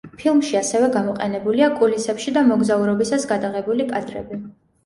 ფილმში ასევე გამოყენებულია კულისებში და მოგზაურობისას გადაღებული კადრები.